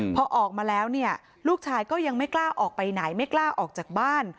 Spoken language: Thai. พอออกมาแล้วเนี่ยลูกชายก็ยังไม่กล้าออกไปไหนไม่กล้าออกจากบ้าน